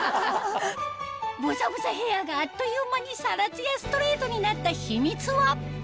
ボサボサヘアがあっという間にサラツヤストレートになった秘密は？